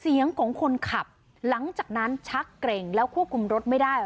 เสียงของคนขับหลังจากนั้นชักเกร็งแล้วควบคุมรถไม่ได้